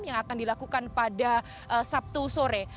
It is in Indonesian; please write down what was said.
yang akan dilakukan pada sabtu sore